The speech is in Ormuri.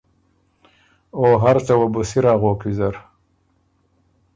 او هر څه وه بُو سِر اغوک ویزر۔